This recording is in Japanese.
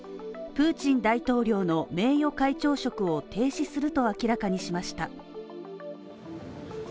プーチン大統領の名誉会長職を停止すると明らかにしました。